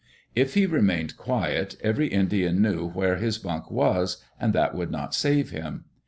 If he remained quiet, every Indian knew where his bunk was, and that would not save him.